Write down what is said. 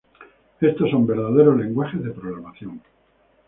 Estos son verdaderos lenguajes de programación.